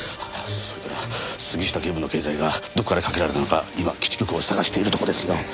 それから杉下警部の携帯がどこからかけられたのか今基地局を探しているところですよ。